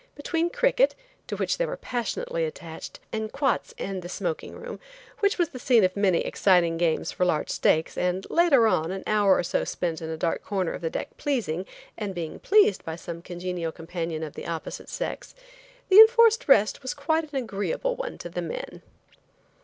Between cricket, to which they were passionately attached, and quoits and the smoking room, which was the scene of many exciting games for large stakes and, later on, an hour or so spent in a dark corner of the deck pleasing and being pleased by some congenial companion of the opposite sex, the enforced rest was quite an agreeable one to the men.